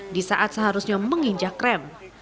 di saat seharusnya menginjak rem